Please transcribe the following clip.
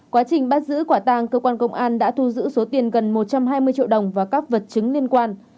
quá trình bắt giữ quả tàng cơ quan công an đã thu giữ số tiền gần một trăm hai mươi triệu đồng và các vật chứng liên quan